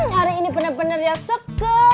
hari ini bener bener ya seger